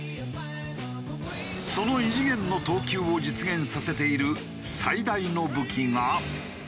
その異次元の投球を実現させている最大の武器が。